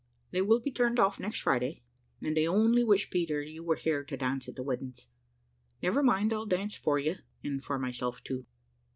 They will be turned off next Friday, and I only wish, Peter, you were here to dance at the weddings. Never mind, I'll dance for you and for myself too.